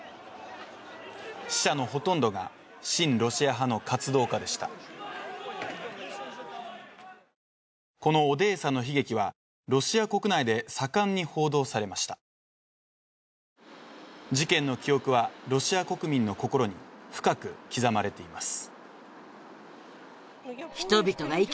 死者のほとんどが親ロシア派の活動家でしたこのオデーサの悲劇はロシア国内で盛んに報道されました事件の記憶はロシア国民の心に深く刻まれています